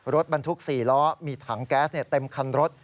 รถบรรทุก๔ล้อมีถังแก๊สเต็มคันรถ